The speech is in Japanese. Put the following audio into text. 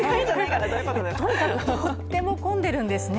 とにかくとってもこんでるんですね。